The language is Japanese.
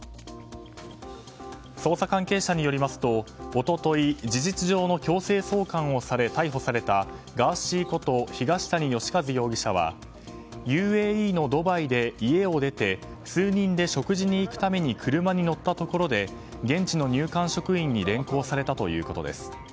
捜査関係者によりますと一昨日、事実上の強制送還をされ逮捕されたガーシーこと東谷義和容疑者はＵＡＥのドバイで家を出て数人で食事に行くために車に乗ったところで現地の入管職員に連行されたということです。